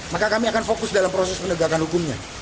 maka kami akan fokus dalam proses penegakan hukumnya